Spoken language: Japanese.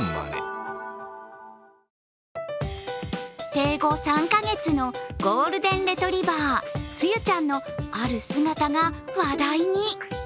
生後３か月のゴールデンレトリバーつゆちゃんの、ある姿が話題に。